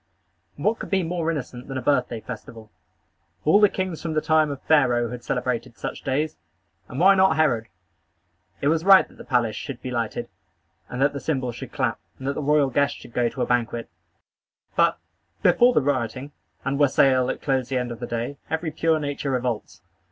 What could be more innocent than a birthday festival? All the kings from the time of Pharaoh had celebrated such days; and why not Herod? It was right that the palace should be lighted, and that the cymbals should clap, and that the royal guests should go to a banquet; but, before the rioting and wassail that closed the scene of that day, every pure nature revolts.